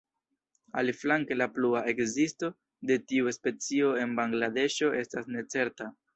Aliflanke la plua ekzisto de tiu specio en Bangladeŝo estas necerta.